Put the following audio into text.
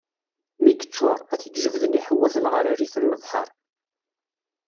Mi yeččuṛ, ad t-id-jebden iḥewwaten ɣer rrif n lebḥeṛ.